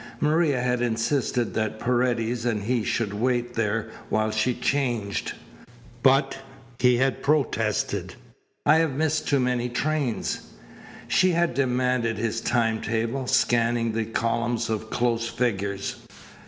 Maria had insisted that Paredes and he should wait there while she changed. "But," he had protested, "I have missed too many trains." She had demanded his time table, scanning the columns of close figures.